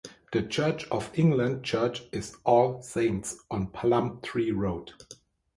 The Church of England church is All Saints, on Plumtree Road.